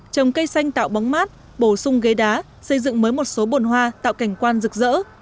trồng cây xanh tạo bóng mát bổ sung ghế đá xây dựng mới một số bồn hoa tạo cảnh quan rực rỡ